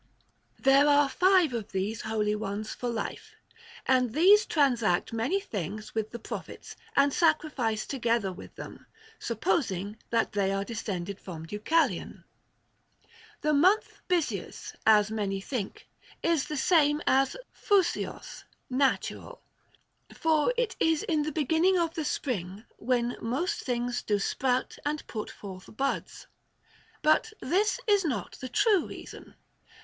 There are five of these holy ones for life, and these transact many things with the prophets, and sacrifice together with them, supposing that they are descended from Deucalion. The month Bysius, as many think, is the same as Φνσως (natural), for it is in the beginning of the spring, when most things do sprout and put forth buds. But this is not the true reason.